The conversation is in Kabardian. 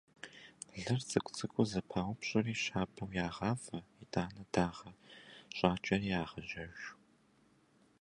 Лыр цӀыкӀу-цӀыкӀуу зэпаупщӀри щабэу ягъавэ, итӀанэ дагъэ щӀакӀэри ягъажьэж.